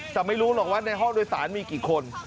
แต่ไม่รู้หรอกว่าในห้องโดยสารมีกี่คน